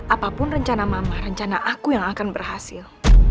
apapun rencana mama rencana aku yang akan berhasil